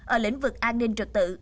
ở lĩnh vực an ninh trực tự